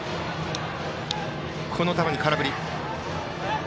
この球に空振り。